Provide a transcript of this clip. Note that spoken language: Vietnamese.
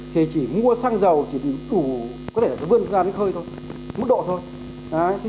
thì chỉ mua xăng dầu chỉ đủ có thể là vươn ra đến hơi thôi mức độ thôi